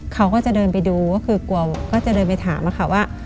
เขาก็จะเดินไปดูก็คือกลัวก็จะเดินไปถามอะค่ะว่า